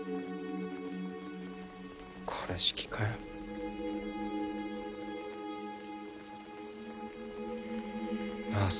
「これしき」かよああ